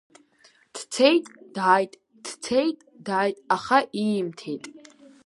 Дцеит, дааит, дцеит, дааит, аха иимҭит.